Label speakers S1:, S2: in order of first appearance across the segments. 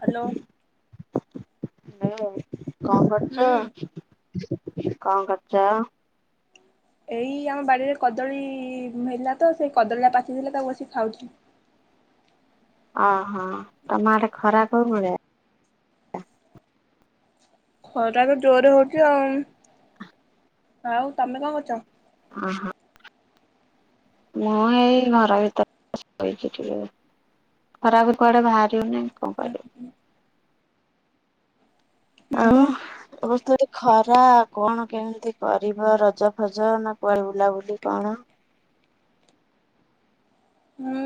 S1: Hello.
S2: ହେ କଣ
S1: ହୁଁ
S2: କରୁଚ କଣ କରୁଚ?
S1: ଏଇ ଆମ ବାଡିରେ କଦଳୀ ହେଲା ତ ସେଇ କଦଳୀଟା ପାଚି ଥିଲା ତାକୁ ଆସି ଖାଉଚି।
S2: ଓହୋ ତମ ଆଡେ ଖରା କୋଉ [unintelligible]
S1: ଖରା ତ ଜୋରରେ ହୋଉଚି ଆଉ, ଆଉ ତମେ କଣ କରୁଚ?
S2: ଓହୋ। ମୁଁ ଏଇ ଘରା ଭିତରେ ଶୋଇଚି। ଖରାପ କୁଆଡେ ବାହାରିବନିଁ କଣ
S1: ହୁଁ
S2: କରିବି?
S1: ହୁଁ। ମୁଁ ବା
S2: ଆଉ [unintelligible] ଖରା କଣ କେମିତି କରିବ ରଜ ଫଜ ନା କୁଆଡେ ବୁଲାବୁଲି କଣ
S1: ହୁଁ।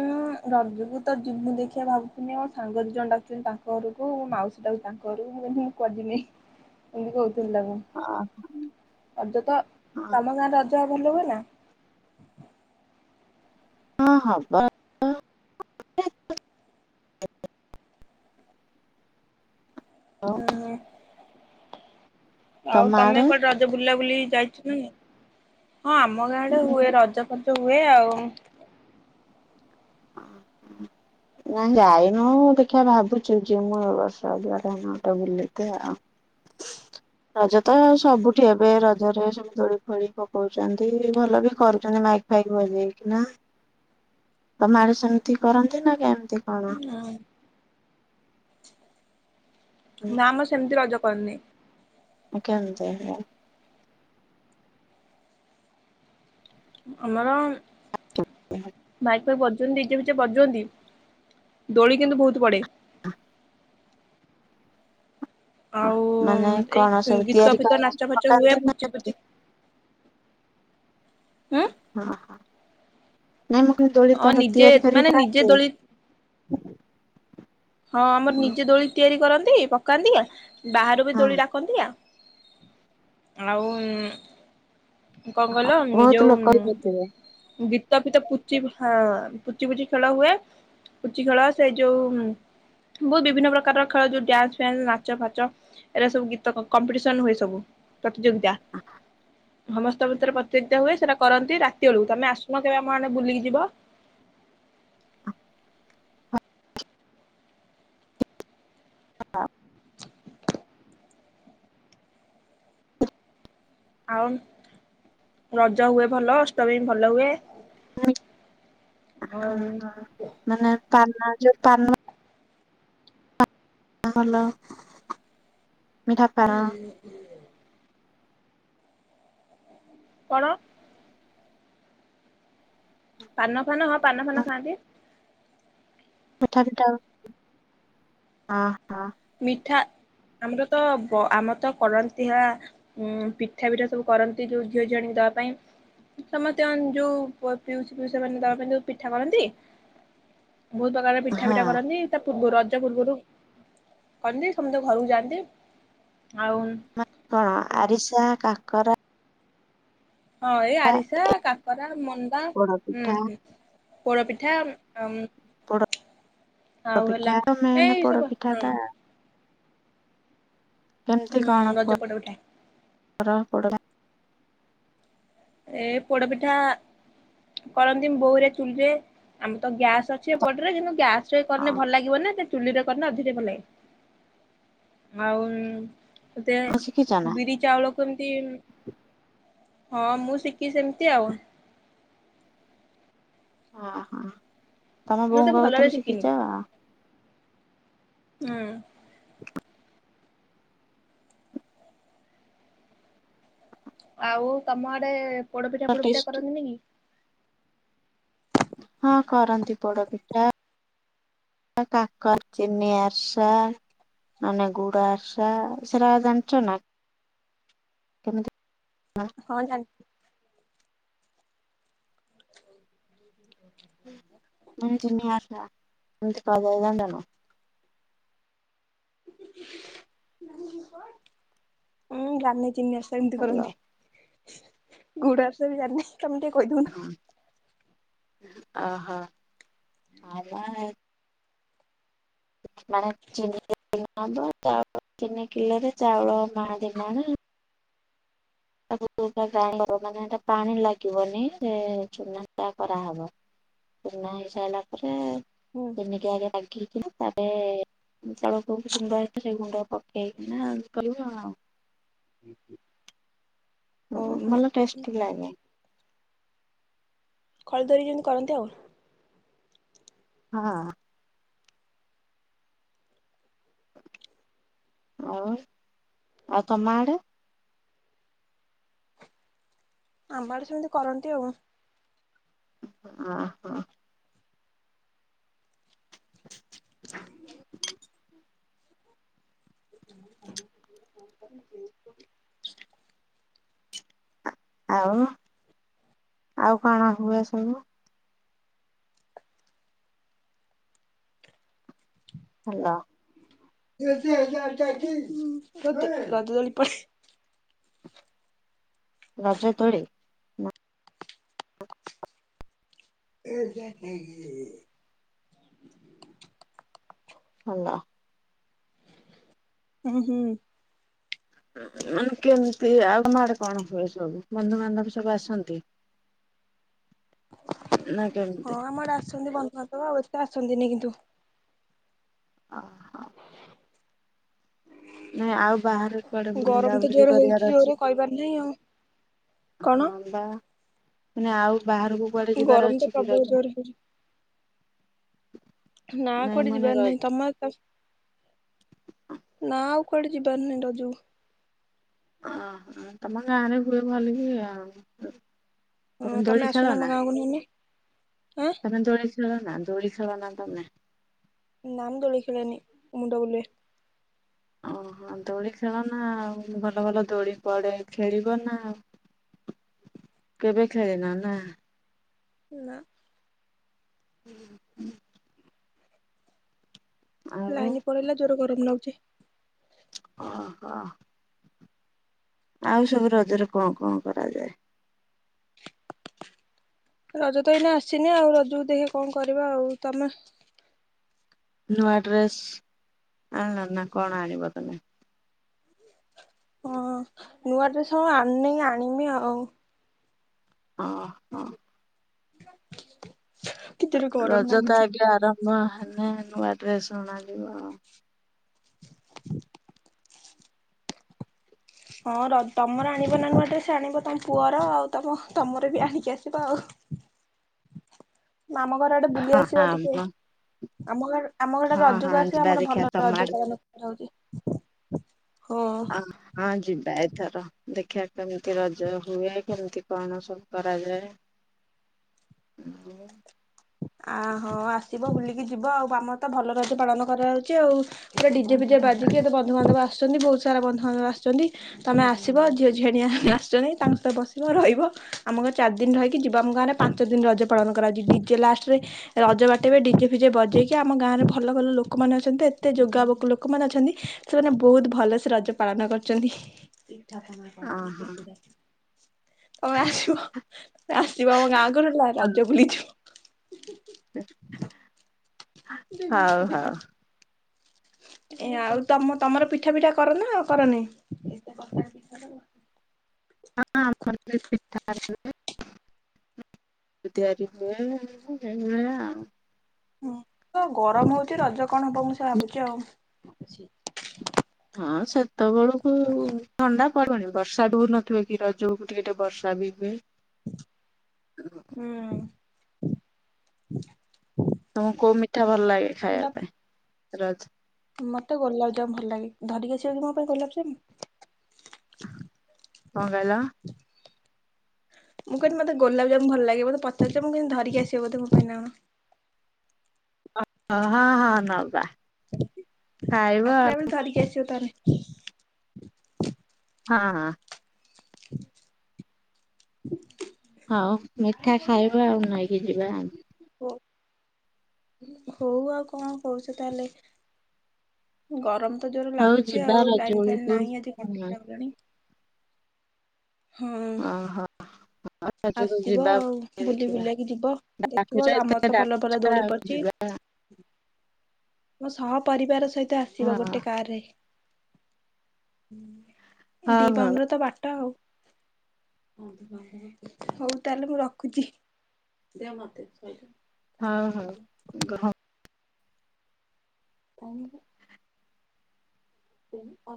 S1: ରଜକୁ ତ ଜିମଁ ଦେଖିବା ଭାବୁଛନ୍ତିି ମୋ ସାଙ୍ଗରେ ନେଇ ଅନେକ ଜଣ ଡାକୁଛନ୍ତି ତାଙ୍କ ଘରକୁୋ ମାଉସୀ ଟାକୁ ତାଙ୍କ ଘରକୁ ହୁି [unintelligible] ଏମିତି କହୁଥିଲି ତା ମୁ
S2: ହଁ।
S1: ରଜ ତ ତମ ଗାଁରେ ରଜ ଭଲ ହୁଏନା?
S2: ହଁ ହବ। [inaudible]
S1: ହୁଁ। ଆଉ
S2: ତମ
S1: ତମେ
S2: ଆଡେ?
S1: କୋଆଡେ ରଜ ବୁଲା ବୁଲି ଯାଇଚ ହଁ ଆମ ଗାଁରେ ହୁଏ ରଜପତ ହୁଏ ଆଉ
S2: ହଁ ନା ଯାଇନୁ ଦେଖିବା ଭାବୁଚୁ ଯି ମୁଁ ଏ ବର୍ଷ ଯଆ ତ ବୁଲି ଆଉ। ରଜ ତ ସବୁଠି ଏବେ ରଜ ଦୋଳି ଫୋଳି ପକଉଛନ୍ତି, ଭଲ ବି କରୁଛନ୍ତି ମାଇକି ଫାଇକି ବଜେଇକି ନା। ତମ ଆଡେ ସେମିତି କରନ୍ତି ନା କେ ଏମିତି କଣ?
S1: ହଁ। ନା
S2: ହୁଁ
S1: ଆମ ସେମିତି ରଜ କରିନି।
S2: ଆଉ କେମିତି ହେଲା?
S1: ଆମର
S2: ହଁ,
S1: ମାଇକ୍ ଫାଇକ୍ ବଜେ ସେମିତି ଡିଜେ, ଫିଜେ ବଜୁଅନ୍ତି, ଦୋଳି କିନ୍ତୁ ବୋହୁତ୍ ପଡ଼େ।
S2: [inaudible]
S1: ଆଉ
S2: ମାନେ କଣ
S1: ଏଇ
S2: ସବୁ
S1: ଗୀତ,
S2: ତିଆରି
S1: ଫିତ
S2: କରିକି
S1: ନାଚ ଫାଚ ହୁଏ,
S2: ପକାନ୍ତି ନା
S1: ପୁଚି ଫୁଚୀ ଉଁ।
S2: ହଁ ହଁ। ନାଇଁ ମୁଁ କହିଲି ଦୋଳି
S1: ହଁ
S2: ତମର
S1: ନିଜେ
S2: ତିଆରି କରି
S1: ମାନେ ନିଜେ
S2: ପାରନ୍ତି?
S1: ଦୋଳି ହଁ ଆମର ନିଜେ ଦୋଳି ତିଆରି କରନ୍ତି। ପକାନ୍ତି ଆ ବାହାରୁ ବି
S2: ହଁ
S1: ଦୋଳି ଡାକନ୍ତି ଆ ଆଉ କଣ କହିଲ
S2: ବହୁତ ଲୋକ ବି ହେଇଥିବେ
S1: ଯୋଉ ଗୀ ତ ପିତ ପୁଚି ହଁ ପୁଚି, ପୁଚି ଖେଳ ହୁଏ। ପୁଚି ଖେଳ ସେଇ ଯୋଉ ବୋହୁତ୍ ବିଭିନ୍ନ ପ୍ରକାର ଖେଳ ଯୋଉ ଡ୍ୟାନ୍ସ ଫ୍ୟାନ୍ସ ନାଚ ଫାଚ ଏରା ସବୁ ଗୀତ କମ୍ପିଟିସନ ହୁଏ ସବୁ। ପ୍ରତିଯୋଗିତା। ସମସ୍ତ ଭିତରେ ପ୍ରତିଯୋଗିତା ହୁଏ। ସେଟା କରନ୍ତି ରାତି ବେଳକୁ। ତମେ ଆସୁନ କେବେ ଆମ ଆଡ଼େ ବୁଲିକି ଯିବ?
S2: ହଁ। ହଁ।
S1: ଆଉ ରଜ ହୁଏ ଭଲ। ଅଷ୍ଟମୀ ଭଲ ହୁଏ।
S2: ହଁ ହଁ। ମାନେ ପାନ ଯୋଉ ପାନ ହଁ ଭଲ, ମିଠା ପାନ
S1: କଣ? ପାନ ଫାନ ହଁ ପାନ ଫାନ ଖାଆନ୍ତି।
S2: ମିଠା ଫିଠା, ହଁ ହଁ।
S1: ମିଠା ଆମର ତ ବ-ଆମର ତ କରନ୍ତି ହେରା ହୁଁ, ପିଠା ଫିଠା ସବୁ କରନ୍ତି ଯୋଉ ଝିଅ ଝିଅଝିଆଣିକି ଦବା ପାଇଁ। ସମସ୍ତେ ଅନ୍ ଯୋଉ ପ- ପିଉସି, ପିଉସା ମାନେ ଦବା ପାଇଁ ଯୋଉ ପିଠା କରନ୍ତି ବୋହୁତ୍ ପ୍ରକାର ପିଠା
S2: ହଁ
S1: ଫିଠା କରନ୍ତି, ତା ପୂର୍ବରୁ ରଜ ପୂର୍ବରୁ କରନ୍ତି ସମସ୍ତେ ଘରକୁ ଯାଆନ୍ତି। ଆଉ
S2: ମା-କଣ
S1: ହଁ
S2: ଆରିସା କାକରା
S1: ହଁ ଏଇ ଆରିସା କାକରା ମଣ୍ଡା,
S2: ପୋଡ
S1: ହୁଁ
S2: ପିଠା
S1: ହୁଁ। ପୋଡପିଠା ଆ
S2: ପୋଡ
S1: ଆଉ ହେଲା,
S2: ପିଠା ତ ମେନ୍ ପୋଡ ପିଠା
S1: ହଁ।
S2: କେମତି
S1: ହୁଁ
S2: କଣ
S1: ରଜ ପୋଡପିଠା
S2: କର ପଡ଼
S1: ଏ ପୋଡପିଠା କରନ୍ତି, ବୋଉ ହାରିଆ ଚୁଲିରେ। ଆମେ ତ ଗ୍ୟାସ୍ ସଛିବା ପଟରେ କିନ୍ତୁ ଗ୍ୟାସ୍ ରେ କରିନେ
S2: ହଁ
S1: ଭଲ ଲାଗିବ ନା ସେ ଚୁଲିରେ କରିଲେ ଅଧିକ ଭଲ ଲାଗେ। ଆଉ ତତେ
S2: ଶିଖିଛ ନା
S1: ବିରି ଚାଉଳ କୁ କେମତି, ହଁ। ମୁଁ ଶିଖିଚି ସେମିତି ଆଉ।
S2: ଓହୋ। ତମ
S1: ମୁଁ ତ
S2: ବୋଉଙ୍କ
S1: ଭଲରେ
S2: କଥାରୁ
S1: ଶିଖିନି
S2: ଶିଖିଛ?
S1: ହୁଁ।
S2: [inaudible]
S1: ଆଉ ତମ ଆଡେ ପୋଡପିଠା, ପୋଡପିଠା
S2: ଟେଷ୍ଟି
S1: କରନ୍ତିନି କି?
S2: ହଁ କରନ୍ତି ପୋଡ ପିଠା। ଆଉ କାକରା ଚିନି ଆରିସା ମାନେ ଗୁଡ ଆରିସା ସେରା ଜାଣିଛ ନା? କେମିତି କଣ?
S1: ହଁ ଜାଣିଛି [inaudible]
S2: ମାନେ ଚିିନି ଆରିସା କେମିତି କରା ଯାଏ ଜାଣିଛନା?
S1: ଉଁ ଜାଣିନି ଚିନି ଆରିଷା କେମିତି
S2: ହାଲୋ
S1: କରନ୍ତି? ଗୁଡା ଆରିସା ବି ଜାଣିନି। ତମେ ଟିକେ କହିଦୋଉନ?
S2: ଅହୋ। ଆ ମାନେ ଚିନି ହବ ଚାଉଳ ତିନି କିଲୋରେ ଚାଉଳ ମାଣେ ଦି ମାଣେ। ତା ଗ ମାନେ ପାଣି ଲାଗିବନି ସେ ଚୁନା କରାହେବ। ଚୁନା ହେଇସାରିଲା ପରେ
S1: ହୁଁ
S2: ସେମିତି ଆଗେ ରାଗି ହେଇଥିଲା। ତାପ ଚାଉଳ ଗୁଣ୍ଡ ହେଇଥିଲା ସେଇ ଗୁଣ୍ଡ ପକେଇକି ନାଉ କରିବ ଆଉ
S1: ଓହୋ
S2: ଭଲ ଟେଷ୍ଟଟି ଲାଗେ।
S1: ଖଳଦରି ଯେମିତି କରନ୍ତି ଆଉ
S2: ହଁ। ଆଉ ଆଉ ତମଆଡେ?
S1: ଆମ ଆଡେ ସେମିତି କରନ୍ତି ଆଉ
S2: ଆଁ ଆଁ। [inaudible]
S1: [inaudible]
S2: ଆଉ ଆଉ କଣ ହୁଏ ସବୁ? ହାଲୋ।
S1: [inaudible]
S2: ରଜଦୋଳି।
S1: ଏ
S2: ହାଲୋ।
S1: ହୁଁ ହୁଁ।
S2: ମାନେ କେମିତି ଆଉ ତମ ଆଡେ କଣ ହୁଏ ସବୁ ବନ୍ଧୁବାନ୍ଧବ ସବୁ ଆସନ୍ତି। [inaudible] ନା କେମିତି?
S1: ହଁ ଆମ ଆଡେ ଆସନ୍ତି ବନ୍ଧୁବାନ୍ଧବ ଆଉ ଏତେ ଆସନ୍ତିନି କିନ୍ତୁ
S2: ଓ ହୋ। ହ ନାଇଁ ଆଉ ବାହାରେ କୁଆଡେ
S1: ଗରମ ତ
S2: ବୁଲାବୁଲି
S1: ଜୋର ହଉଛି
S2: କରିବାର
S1: ଜୋରରେ
S2: ଅଛି?
S1: କହିବାର ନାହିଁ ଆଉ। କଣ?
S2: ହଁ ବା ଆଉ ବାହାରକୁ କୁଆଡେ ଯିବାର
S1: ଗରମ ତ
S2: ଅଛି କି
S1: ପ୍ରବଳ
S2: ରଜ
S1: ଜୋରରେ ହଉଛି
S2: [inaudible]
S1: ନା
S2: ନାଇଁ
S1: କୁଆଡେ
S2: ମାନେ
S1: ଯିବାର
S2: ରଜ
S1: ନାହିଁ ତମର ତ ନା ଆଉ କୁଆଡେ ଯିବାର ନାଇଁ ରଜକୁ
S2: ଅ ତମ ଗାଁ ରେ ହୁଏ ଭଳିକି ଆଉ ତମେ
S1: ହଁ
S2: ଦୋଳି
S1: ଆସୁନ
S2: ଖେଳ
S1: ଆମ
S2: ନା
S1: ଗାଁକୁ ନହେଲେ ଆଁ
S2: ତମେ ଦୋଳି ଖେଳ ନା ଦୋଳି ଖେଳ ନା ତମେ?
S1: ନା ମୁଁ ଦୋଳି ଖେଳେଣିି ମୁୁଣ୍ଡବୁଲାଏ।
S2: ଓହୋ ଦୋଳି ଖେଳ ନା ଆଉ ଭଲ ଭଲ ଦୋଳି ପଡେ ଖେଳିବ ନା। କେବେ ଖେଳିନ ନାଁ?
S1: ନା।
S2: ହୁଁ ହୁଁ ଆଉ
S1: ଲାଇନ ପଳେଇଲା ଜୋର ଗରମ ଲାଗୁଛି।
S2: ଓ ହୋ। ଆଉ ସବୁ ରଜରେ କଣ କଣ କରାଯାଏ?
S1: ରଜ ତ ଏଇନା ଆସିନି ଆଉ ରଜକୁ ଦେଖିବା କଣ କରିବା ଆଉ ତମେ?
S2: ନୂଆ ଡ୍ରେସ ଆଣ ନା କଣ ଆଣିବ ତମେ?
S1: ହଁ ନୂଆ ଡ୍ରେସ ହଣ ଆଣିନି ଆଣିବି ଆଉ
S2: ଅ ହ।
S1: କି ଜୋରେ ଗରମ
S2: ରଜ ତ
S1: ଲାଗୁଛି।
S2: ଆଜ୍ଞା ଆରମ୍ଭ ହେଲା ନୂଆ ଡ୍ରେସ ଅଣାଯିବ ଆଉ
S1: ହଁ ତମର ଆଣିବ ନା ନୂଆ ଡ୍ରେସ ଆଣିବ ତମ ପୁଅର ଆଉ ତମ ତମର ବି ଆଣିକି ଆସିବ ଆଉ ଆମ ଘର ଆଡେ ବୁଲି
S2: ହଁ
S1: ଆସିବ ଟିକେ
S2: ହଁ
S1: ଆମ ଗାଁ ଆମ ଘରଟା
S2: ହଁ ହଁ
S1: ରଜକୁ ଆସିବ
S2: ଯିବା
S1: ଆମର
S2: ଦେଖିବା
S1: ଭଲ
S2: ତମ ଆଡେ
S1: ରଜ ପାଳନ ହଉଛି ହଁ।
S2: ଆ ହଁ ଯିବା ଏଥର ଦେଖିବା କେମିତି ରଜ ହୁଏ କେମିତି କଣ ସବୁ କରାଯାଏ? ହଁ
S1: ଆ ହଁ ଆସିବ ବୁଲିକି ଯିବ ଆଉ ଆମର ତ ଭଲ ରଜ ପାଳନ କରାଯାଉଛି ଆଉ ପୁରଟେ ଡିଜେ ଫିଜେ ବାଜିକି ଏତ ବଧୁବାନ୍ଧବ ଆସିଛନ୍ତି ବହୁସାରା ବନ୍ଧୁବାନ୍ଧବ ଆସଛନ୍ତି। ତମେ ଆସିବ ଝିଅ ଝିଅଣିଆ ଆସଛନି ତାଙ୍କ ସହିତ ବସିବ ରହିବ ଆମ ଘ ଚାରି ଦିନ ରହିକି ଯିବ। ଆମ ଗାଁରେ ପାଞ୍ଚ ଦିନ ରଜ ପାଳନ କରାଯାଉଛି ଡିଜେ ଲାଷ୍ଟରେ ରଜ ବାଟିବ ଡିଜେ ଫିଜେ ବଜେଇକି ଆମ ଗାଁ ରେ ଭଲ ଭଲ ଲୋକମାନେ ଅଛନ୍ତି ଏତେ ଯୋଗୋଗ ଲୋକମାନେ ଅଛନ୍ତି। ସେମାନେ ବହୁତ ଭଲ ସେ ରଜ ପାଳନ କରୁଛନ୍ତି।
S2: ଓହୋ
S1: ତମେ ଆସିବ ତମେ ଆସିବ ଆମ ଗାଁକୁ ରଜ ବୁଲିଯିବ।
S2: ହଉ ହଉ
S1: [unintelligible] ଏ ଆଉ ତମ ତମର ପିଠା ପିଠା କରନା ଆଉ କରନି।
S2: ହଁ [unintelligible] ଧ [unintelligible]
S1: ହୁଁ ତ ଗରମ ହଉଚ ରଜ କଣ ହବ ମୁଁ ସେ ଭାବୁଛି ଆଉ।
S2: ହଁ ସେତେବେଳକୁ ଥଣ୍ଡା ପଡୁନି ବର୍ଷା ଠୁ ନଥିବେ କି ରଜକୁ। ଟିକେ ଟିକେ ବର୍ଷା ବି ହୁଏ।
S1: ହୁଁ।
S2: ତମକୁ କୋଉ ମିଠା ଭଲ ଲାଗେ
S1: ଥଣ୍ଡା
S2: ଖାଇବା ପାଇଁ ରଜ।
S1: ମତେ ଗୋଲାପଜାମୁ ଭଲ ଲାଗେ ଧରିକି ଆସିବା [unintelligible]
S2: କଣ କହିଲ?
S1: ମୁଁ କହିଲି ମତେ ଗୋଲାଜାମୁ ଭଲ ଲାଗିବ ମତେ ପଚିଛି ମୁଁମ ଧିକି ଆସିବ [unintelligible]
S2: ହଁ ହଁ ନବା। ଖାଇବା ଆଉ
S1: ଆସିଲବେଳେ ଧାରିକ ଆସିବ ତାହେଲେ।
S2: ହଁ ହଁ। ହଉ ମିଠା ଖାଇବା ଆଉ ନେଇକି ଯିବା।
S1: ହଉ ହଉ ଆଉ କଣ କରୁଛ ତାହେଲେ? ଗରମ ତ ଜୋର
S2: ହଉ
S1: ଲାଗୁଛି
S2: ଯିବା
S1: ଆଉ
S2: ରଜ
S1: ଲାଇନ ଫାଇନ୍
S2: ବେଳକୁ।
S1: ନାହିଁ ଆଜି ହଟି ଯାଗଲାଣି। ହଁ।
S2: [inaudible]
S1: ଆସିବ
S2: ଯିବା
S1: ଆଉ ବୁଲି
S2: ଦେଖିବା
S1: ବୁଲକି ଯିବ ଦେଖିବ
S2: ଡାକୁଛ
S1: ଆମର
S2: ଏତେ
S1: ତ ଭଲ
S2: ଡାକୁଛ
S1: ଭଲ ଦୋଳି
S2: ଆଉ
S1: ପଡିଛି।
S2: ଯିବା
S1: ମୋ ସହ ପରରିବାର ସହିତ
S2: ହଁ
S1: ଆସିବ ଗୋଟେ କାରରେ।
S2: ହଉ
S1: ଦି
S2: ହଉ
S1: ପାହୁଣ୍ଡ ବାଟ ଆଉ। ଆପ ହଉ ତାହେଲେ ମୁଁ ରଖୁଛି ଦେ ମତେ
S2: ହଉ ହଉ।
S1: ତାକ ସେ